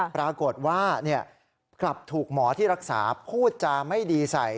ปรากฏว่ากลับถูกหมอที่รักษาพูดจาไม่ดีใส่